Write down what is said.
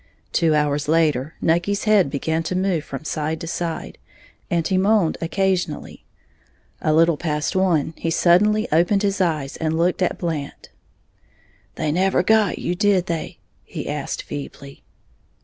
Two hours later, Nucky's head began to move from side to side, and he moaned occasionally. A little past one, he suddenly opened his eyes and looked at Blant. "They never got you, did they?" he asked, feebly.